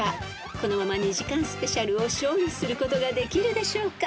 ［このまま２時間ＳＰを勝利することができるでしょうか］